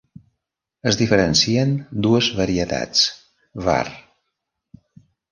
Es diferencien dues varietats: var.